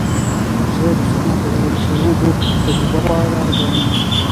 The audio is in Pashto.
زه د سونا په ځای د سړو اوبو تجربه غوره ګڼم.